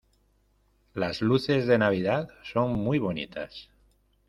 Las luces de navidad son muy bonitas.